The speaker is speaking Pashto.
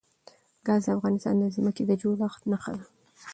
ګاز د افغانستان د ځمکې د جوړښت نښه ده.